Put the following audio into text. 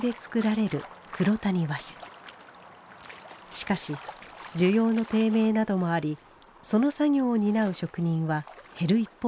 しかし需要の低迷などもありその作業を担う職人は減る一方でした。